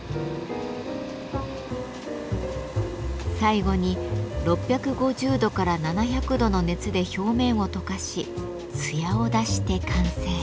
最後に６５０度から７００度の熱で表面を溶かしツヤを出して完成。